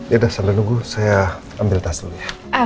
ya dah sambil nunggu saya ambil tas dulu ya